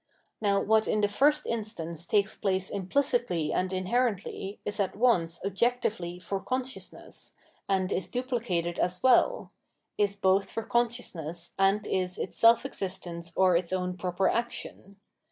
Now what in the first iustance takes place implicitly and inherently is at once objectively for consciousness, and is duphcated as well— is both for consciousness and is its self existence or its own proper action.